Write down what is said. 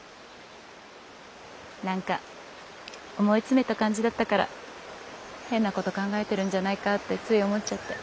何か思い詰めた感じだったから変なこと考えてるんじゃないかってつい思っちゃって。